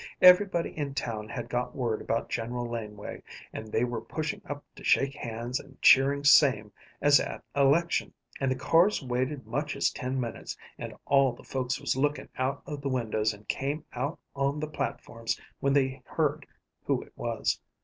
Everybody in town had got word about General Laneway, and they were pushing up to shake hands, and cheering same as at election, and the cars waited much as ten minutes, and all the folks was lookin' out of the windows, and came out on the platforms when they heard who it was.